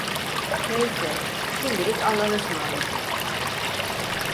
Neyse, şimdilik allahaısmarladık.